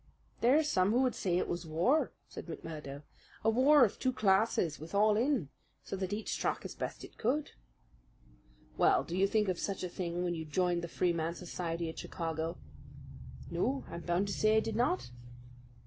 "There are some would say it was war," said McMurdo, "a war of two classes with all in, so that each struck as best it could." "Well, did you think of such a thing when you joined the Freeman's society at Chicago?" "No, I'm bound to say I did not."